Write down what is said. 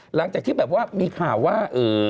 หลังจากที่แบบว่ามีข่าวว่า